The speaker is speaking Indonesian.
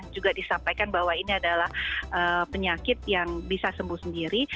juga disampaikan bahwa ini adalah penyakit yang bisa sembuh sendiri